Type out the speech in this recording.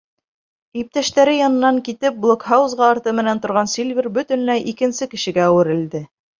Иптәштәре янынан китеп, блокһаузға арты менән торған Сильвер бөтөнләй икенсе кешегә әүерелде.